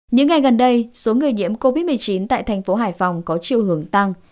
những ngày gần đây số người nhiễm covid một mươi chín tại thành phố hải phòng có chiều hướng tăng